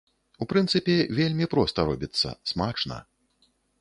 У прынцыпе, вельмі проста робіцца, смачна.